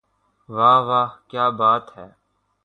واہ واہ کیا بات ہے